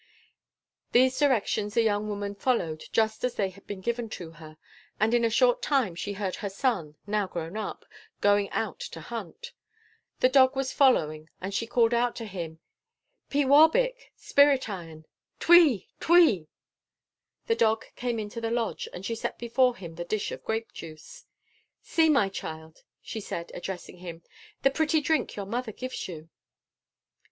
These directions the young woman followed just as they had been given to her, and in a short time she heard her son, now grown up, going out to hunt. The dog was following and she called out to him, "Pee waubik Spirit Iron Twee! Twee!" The dog came into the lodge, and she set before him the dish of grape juice. "See, my child," she said, addressing him, "the pretty drink your mother gives you."